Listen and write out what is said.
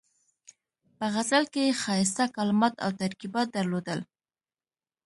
په غزل کې یې ښایسته کلمات او ترکیبات درلودل.